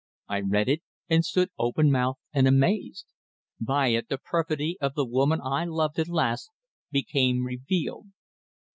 I read it, and stood open mouthed and amazed. By it the perfidy of the woman I loved, alas! became revealed.